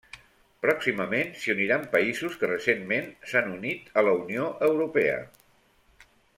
Pròximament s'hi uniran països que recentment s'han unit a la Unió Europea.